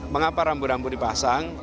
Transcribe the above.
mengapa rambu rambu dipasang